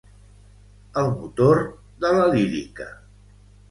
El motor de la lírica.